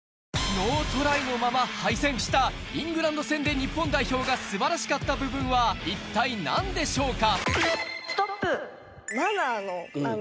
ノートライのまま敗戦したイングランド戦で日本代表が素晴らしかった部分は一体何でしょうか？